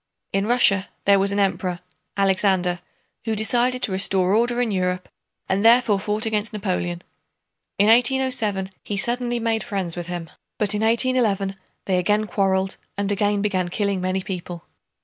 In Russia there was an Emperor, Alexander, who decided to restore order in Europe and therefore fought against Napoleon. In 1807 he suddenly made friends with him, but in 1811 they again quarreled and again began killing many people.